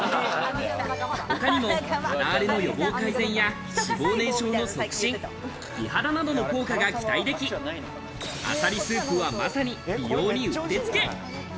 他にも、肌荒れの予防改善や、脂肪燃焼の促進、美肌などの効果が期待でき、アサリスープはまさに美容にうってつけ。